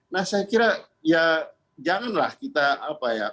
nah saya kira ya janganlah kita apa ya